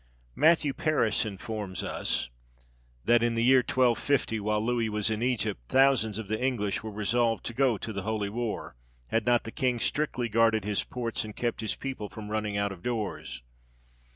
Matthew Paris informs us that, in the year 1250, while Louis was in Egypt, "thousands of the English were resolved to go to the holy war, had not the king strictly guarded his ports and kept his people from running out of doors."